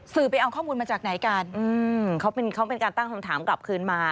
ไปเอาข้อมูลมาจากไหนกันเขาเป็นการตั้งคำถามกลับคืนมา